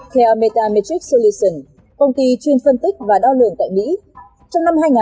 theo metametric solutions công ty chuyên phân tích và đo lượng tại mỹ